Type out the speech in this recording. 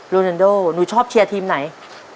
แนนโดหนูชอบเชียร์ทีมไหน